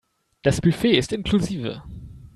Das Buffet ist inklusive.